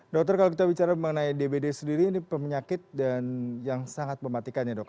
dokter kalau kita bicara mengenai dbd sendiri ini penyakit dan yang sangat mematikan ya dok